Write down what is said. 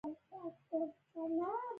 همدرد صیب پر خپل هېواد شکر اېست.